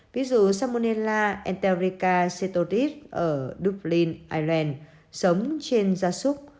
ví dụ salmonella enterica serotis ở dublin ireland sống trên gia súc